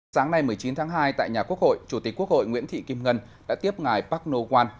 sáng nay một mươi chín tháng hai tại nhà quốc hội chủ tịch quốc hội nguyễn thị kim ngân đã tiếp ngài park noh kan